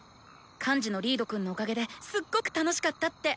幹事のリードくんのおかげですっごく楽しかったって！